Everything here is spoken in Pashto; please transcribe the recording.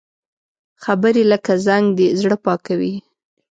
خبرې لکه زنګ دي، زړه پاکوي